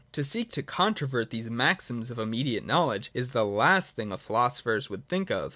To seek to controvert these maxims of immediate knowledge is the last thing philosophers would think of.